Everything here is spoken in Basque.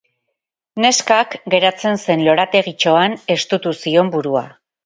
Neskak geratzen zen lorategitxoan estutu zion burua.